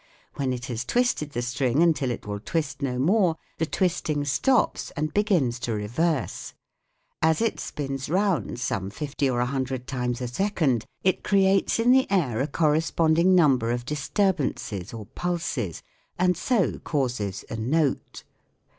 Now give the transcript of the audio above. When it has twisted the string until it will twist no more, the twisting stops and begins to reverse. ~] As it spins round some fifty or a hun dred times a second, it creates in the air a corres ponding num ber of disturb ances or pulses and so causes a "note."